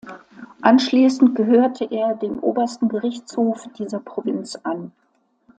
Anschließend gehörte er dem Obersten Gerichtshof dieser Provinz an.